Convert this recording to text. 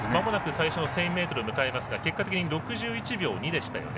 最初の１０００ｍを迎えますが結果的に６１秒２でしたよね。